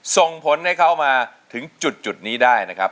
ส่งผลให้เขามาถึงจุดนี้ได้นะครับ